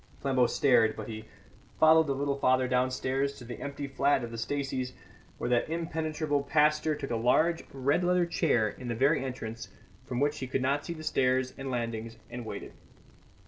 Flambeau stared; but he followed the little father downstairs to the empty flat of the Staceys, where that impenetrable pastor took a large red leather chair in the very entrance, from which he could see the stairs and landings, and waited.